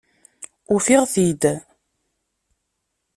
Ufiɣ-t-id.